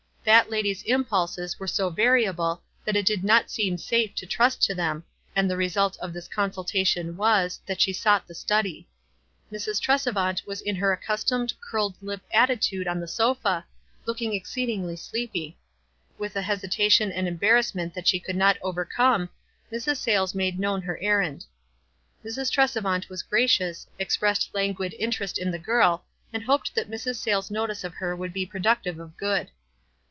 That lady's impulses w^ere so variable that it did not seem safe to trust to them, and the result of this consultatiou was, WISE AND OTHERWISE. Ill that she sought the study. Mrs. Tresevant was in her accustomed, curled tip attitude ou the sofa, looking exceedingly sleepy. With a hes itation and embarrassment that she could not overcome, Mrs. Sayles made known her errand. Mrs. Tresevant was gracious, expressed languid interest in the girl, and hoped that Mrs. Sayles' notice of her would be productive of good.